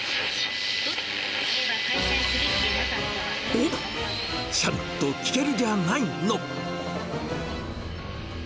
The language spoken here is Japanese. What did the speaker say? おっ、ちゃんと聞けるじゃないの。